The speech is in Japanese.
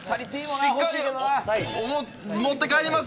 しっかり持って帰ります。